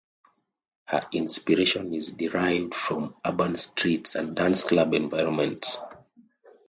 Her inspiration is derived from urban streets and dance club environments.